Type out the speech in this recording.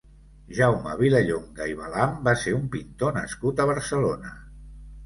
Jaume Vilallonga i Balam va ser un pintor nascut a Barcelona.